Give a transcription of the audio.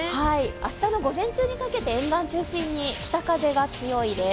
明日の午前中にかけて沿岸を中心に北風が強いです。